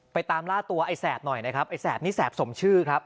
ตามล่าตัวไอ้แสบหน่อยนะครับไอ้แสบนี่แสบสมชื่อครับ